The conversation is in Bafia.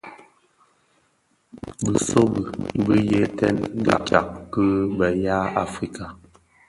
Bisobi bi yeten bi tsak ki be ya Afrika,